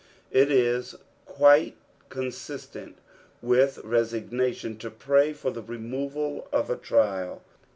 It is quite consistent with resignation to pray for the removal of a trial.